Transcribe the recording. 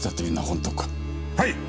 はい！